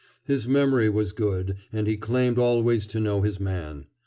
His memory was good, and he claimed always to know his man.